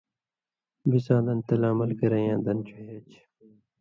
بِڅاں دَن تل عمل کرَیں یاں دَن ڇِہے چھی۔